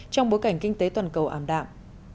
trong bối cảnh kinh tế toàn cầu ảm đạm